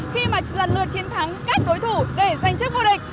khi mà lần lượt chiến thắng các đối thủ để giành chức vô địch